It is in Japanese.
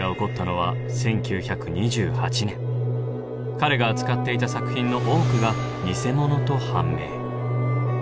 彼が扱っていた作品の多くが偽物と判明。